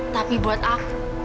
tapi buat aku